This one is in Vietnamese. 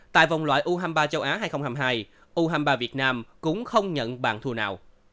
tại vòng loại u hai mươi ba châu á hai nghìn hai mươi hai u hai mươi ba việt nam cũng không nhận bàn thù nào